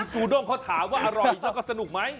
จูด้งเขาถามว่าอร่อยแล้วก็สนุกไหม